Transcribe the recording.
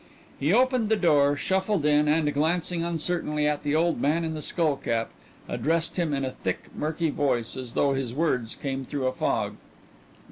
He opened the door, shuffled in, and, glancing uncertainly at the old man in the skull cap, addressed him in a thick, murky voice, as though his words came through a fog.